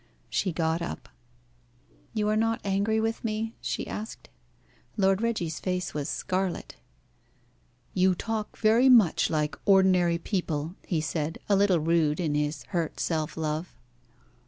She got up. "You are not angry with me?" she asked. Lord Reggie's face was scarlet. "You talk very much like ordinary people," he said, a little rude in his hurt self love.